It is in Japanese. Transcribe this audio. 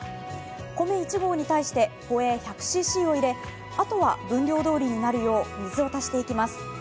米１合に対して、ホエー１００ｃｃを入れあとは分量どおりになるよう、水を足していきます。